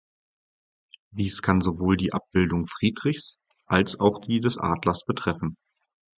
Dies kann sowohl die Abbildung Friedrichs, als auch die des Adlers betreffen.